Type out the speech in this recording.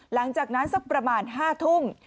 หลังจากนั้นสักประมาณ๕ทุ่ม